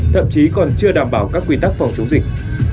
thậm chí còn chưa đảm bảo các quy tắc phòng chống dịch